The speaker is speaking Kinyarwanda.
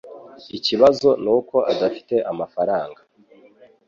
Ikibazo nuko adafite amafaranga